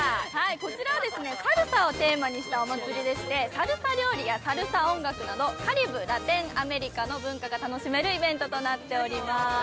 こちらはサルサをテーマにしたお祭りでしてサルサ料理やサルサ音楽などカリブ・ラテンアメリカの文化が楽しめるイベントとなっています。